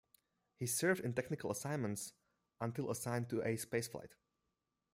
He served in technical assignments until assigned to a space flight.